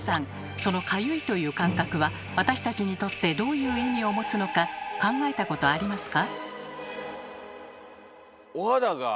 その「かゆい」という感覚は私たちにとってどういう意味を持つのか考えたことありますか？